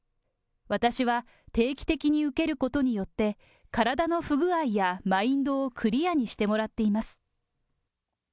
私は定期的に受けることによって、体の不具合やマインドをクリアにしてもらっています。